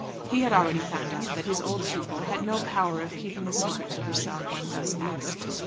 He had already found out that his old pupil had no power of keeping a secret to herself when thus asked.